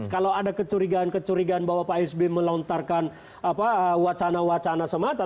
kalau ada kecurigaan kecurigaan bahwa pak sby melontarkan wacana wacana semata